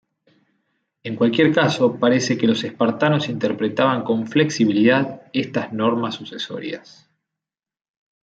En cualquier caso, parece que los espartanos interpretaban con flexibilidad estas normas sucesorias.